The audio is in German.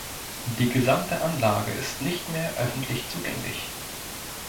Die gesamte Anlage ist nicht mehr öffentlich zugänglich.